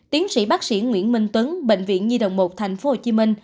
tiến sĩ bác sĩ nguyễn minh tuấn bệnh viện nhi đồng một tp hcm